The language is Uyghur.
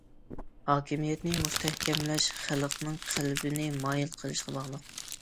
‹‹ ھاكىمىيەتنى مۇستەھكەملەش خەلقنىڭ قەلبىنى مايىل قىلىشقا باغلىق››.